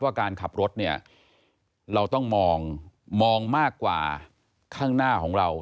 เพราะการขับรถเราต้องมองมากกว่าข้างหน้าของเรา